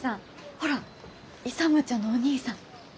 ほら勇ちゃんのお兄さん。